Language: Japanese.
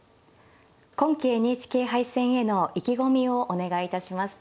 今期ＮＨＫ杯戦への意気込みをお願いいたします。